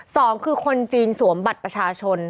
สองคือคนจีนสวมบัตรประชาชน